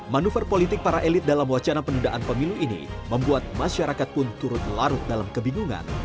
manuver politik para elit dalam wacana penundaan pemilu ini membuat masyarakat pun turut larut dalam kebingungan